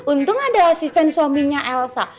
untung ada asisten suaminya elsa